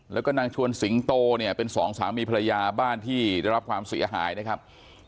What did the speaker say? แล้วก็นางชวนสิงโตเนี่ยเป็นสองสามีภรรยาบ้านที่ได้รับความเสียหายนะครับ